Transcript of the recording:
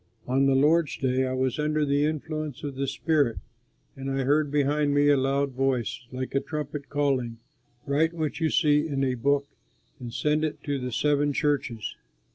On the Lord's Day I was under the influence of the Spirit, and I heard behind me a loud voice like a trumpet calling, "Write what you see in a book and send it to the seven churches."